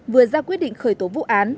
vừa ra quyết định khởi tố vụ án